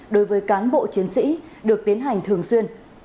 đối với cán bộ chiến sĩ được tiến hành thường xuyên